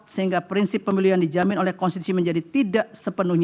sehingga prinsip pemilu yang dijamin oleh konstitusi menjadi tidak sepenuhnya